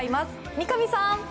三上さん！